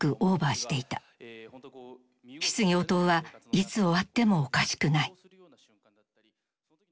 質疑応答はいつ終わってもおかしくない。